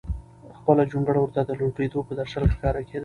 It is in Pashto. خپله جونګړه ورته د لوټېدو په درشل ښکارېده.